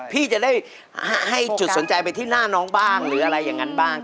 พี่จะได้ให้จุดสนใจไปที่หน้าน้องบ้างหรืออะไรอย่างนั้นบ้าง